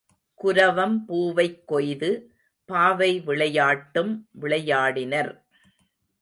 குரவம் பூவைக் கொய்து, பாவை விளையாட்டும் விளையாடினர்.